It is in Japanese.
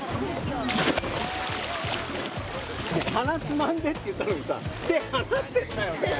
鼻つまんでって言ったのにさ手離してたよね？